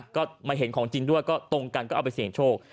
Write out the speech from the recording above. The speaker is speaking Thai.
ก็มาเห็นของจริงด้วยก็ตรงกันก็เอาไปเสี่ยงโชค